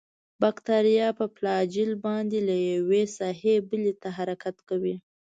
باکتریا په فلاجیل باندې له یوې ساحې بلې ته حرکت کوي.